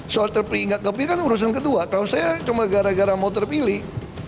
soal terpilih nggak terpilih kan urusan kedua kalau saya cuma gara gara mau terpilih